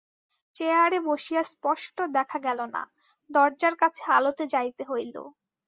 চেয়ারে বসিয়া স্পষ্ট দেখা গেল না, দরজার কাছে আলোতে যাইতে হইল।